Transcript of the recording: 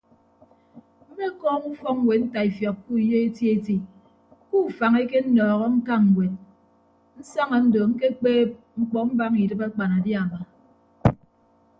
Mmekọọm ufọkñwed ntaifiọk ke uyo eti eti ke ufañ ekenọọhọ ñka ñwed nsaña ndo ñkekpeeb mkpọ mbaña idịb akpanadiama.